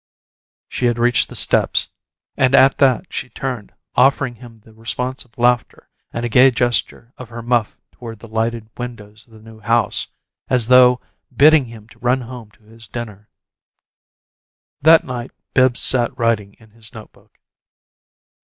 She had reached the steps, and at that she turned, offering him the response of laughter and a gay gesture of her muff toward the lighted windows of the New House, as though bidding him to run home to his dinner. That night, Bibbs sat writing in his note book.